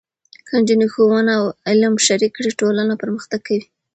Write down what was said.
که نجونې ښوونه او علم شریک کړي، ټولنه پرمختګ کوي.